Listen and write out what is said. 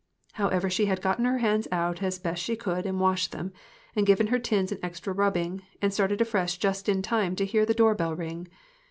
However, she had gotten her hands out as best she could, and washed them, and given her tins an extra rubbing, and started afresh just in time to hear the door bell ring.